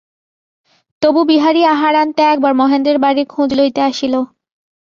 তবু বিহারী আহারান্তে একবার মহেন্দ্রের বাড়ির খোঁজ লইতে আসিল।